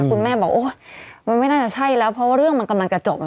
คุณแม่บอกโอ๊ยมันไม่น่าจะใช่แล้วเพราะว่าเรื่องมันกำลังจะจบ